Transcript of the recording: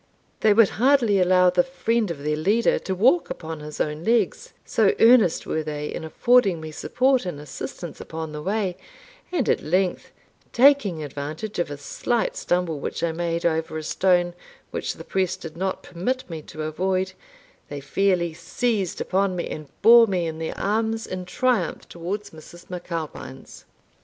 They would hardly allow the friend of their leader to walk upon his own legs, so earnest were they in affording me support and assistance upon the way; and at length, taking advantage of a slight stumble which I made over a stone, which the press did not permit me to avoid, they fairly seized upon me, and bore me in their arms in triumph towards Mrs. MacAlpine's.